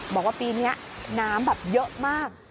บอกว่าปีนี้น้ำแบบเยอะมาก